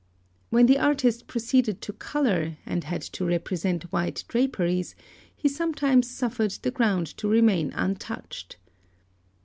When the artist proceeded to colour, and had to represent white draperies, he sometimes suffered the ground to remain untouched.